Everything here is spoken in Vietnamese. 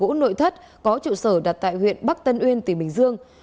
công ty đồ gỗ nội thất có trụ sở đặt tại huyện bắc tân uyên tỉnh bình dương